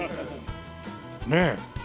ねえ。